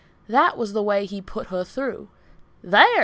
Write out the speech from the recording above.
That was the way he "put her through." "There!"